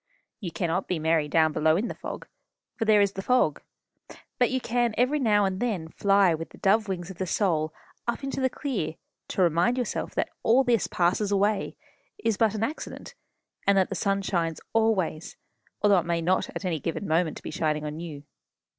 You cannot be merry down below in the fog, for there is the fog; but you can every now and then fly with the dove wings of the soul up into the clear, to remind yourself that all this passes away, is but an accident, and that the sun shines always, although it may not at any given moment be shining on you.